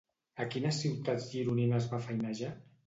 A quines ciutats gironines va feinejar?